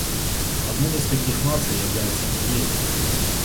Одной из таких наций является Нигерия.